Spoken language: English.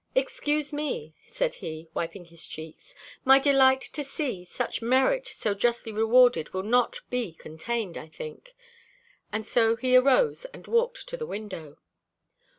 "Excuse me," said he, wiping his cheeks: "my delight to see such merit so justly rewarded will not be contained, I think." And so he arose and walked to the window.